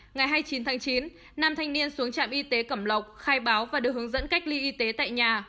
ngày hai mươi chín tháng chín nam thanh niên xuống trạm y tế cẩm lộc khai báo và được hướng dẫn cách ly y tế tại nhà